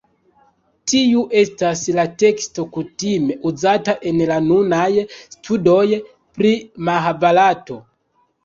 Tiu estas la teksto kutime uzata en la nunaj studoj pri Mahabarato.